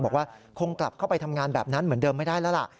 บอกว่าคงกลับเข้าไปทำงานแบบนั้นเหมือนเดิมไม่ได้แล้วล่ะ